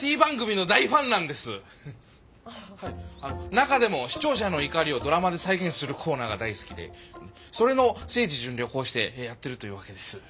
中でも視聴者の怒りをドラマで再現するコーナーが大好きでそれの聖地巡礼をこうしてやってるというわけです。